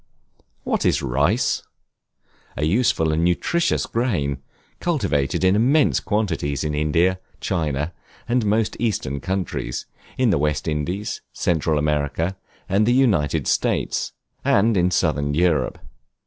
What is Rice? A useful and nutritious grain, cultivated in immense quantities in India, China, and most eastern countries; in the West Indies, Central America, and the United States; and in southern Europe.